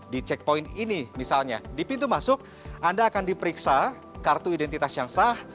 di checkpoint ini misalnya di pintu masuk anda akan diperiksa kartu identitas yang sah